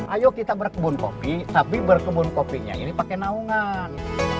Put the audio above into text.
ayo kita berkebun kopi tapi berkebun kopinya ini pakai naungan